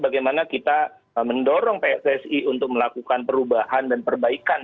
bagaimana kita mendorong pssi untuk melakukan perubahan dan perbaikan